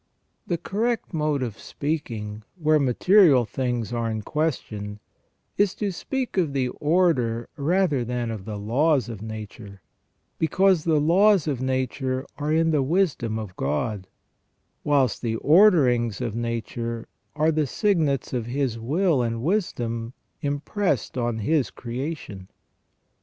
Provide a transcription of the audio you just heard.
The correct mode of speaking, where material things are in question, is to speak of the order rather than of the laws of nature, because the laws of nature are in the wisdom of God, whilst the orderings of nature are the signets of His will and wisdom impressed on His creation.